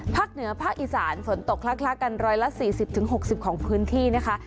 เหนือภาคอีสานฝนตกคล้ากัน๑๔๐๖๐ของพื้นที่นะคะ